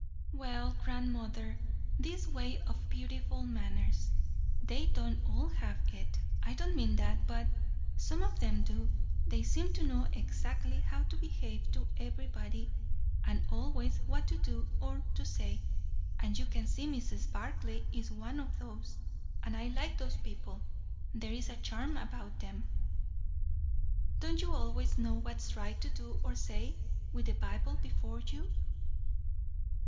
"Well, grandmother, this way of beautiful manners. They don't all have it I don't mean that but some of them do. They seem to know exactly how to behave to everybody, and always what to do or to say; and you can see Mrs. Barclay is one of those. And I like those people. There is a charm about them." "Don't you always know what's right to do or say, with the Bible before you?"